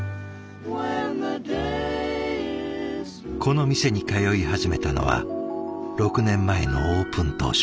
この店に通い始めたのは６年前のオープン当初。